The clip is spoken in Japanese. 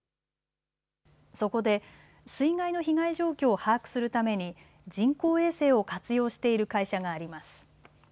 そこで水害の被害状況を把握するために人工衛星を活用している会社があります。